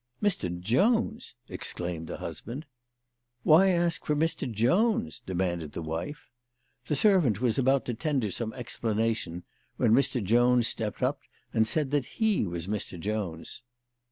" Mr. Jones !" exclaimed the husband. " Why ask for Mr. Jones ?" demanded the wife. The servant was about fo tender some explanation when Mr. Jones stepped up and said that he was Mr. Jones.